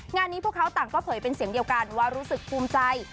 งานนี้พวกเขาต่างก็เผยเป็นเสียงเดียวกันว่ารู้สึกภูมิใจ